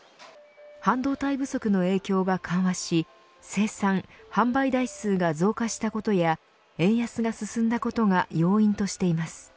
半導体不足の影響が緩和し生産、販売台数が増加したことや円安が進んだことが要因としています。